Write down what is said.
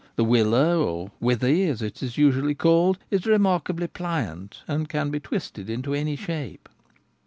The willow, or withy as it is usually called, is remarkably pliant, and can be twisted into any shape.